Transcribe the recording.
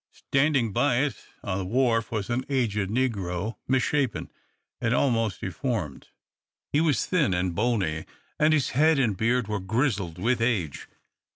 Standing by it on the wharf was an aged negro, misshapen, and almost deformed. He was thin and bony, and his head and beard were grizzled with age.